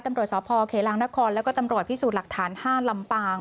ตำรวจสพเขลางนครแล้วก็ตำรวจพิสูจน์หลักฐาน๕ลำปาง